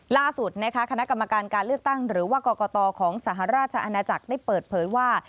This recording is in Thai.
ล่าสุดนะคะคณะกรรมการการเลือกตั้งหรือว่ากรกตของสหราชอาณาจักรได้เปิดเผยว่า